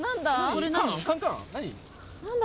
何だ？